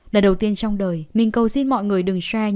là đầu tiên trong đời mình cầu xin mọi người đừng share